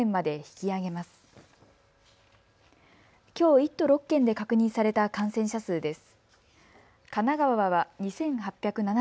きょう１都６県で確認された感染者数です。